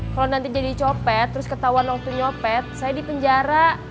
kalau nanti jadi copet terus ketahuan waktu nyopet saya di penjara